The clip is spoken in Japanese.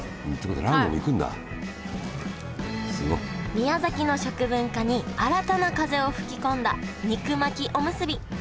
宮崎の食文化に新たな風を吹き込んだ肉巻きおむすび。